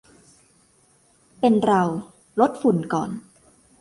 เป็นเรา ลดฝุ่นก่อน